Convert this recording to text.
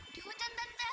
di hutan tante